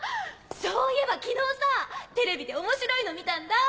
そういえば昨日さテレビで面白いの見たんだ！